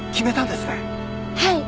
はい！